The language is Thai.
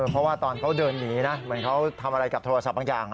เพราะว่าตอนเขาเดินหนีนะเหมือนเขาทำอะไรกับโทรศัพท์บางอย่าง